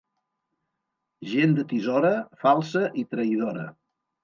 Gent de tisora, falsa i traïdora.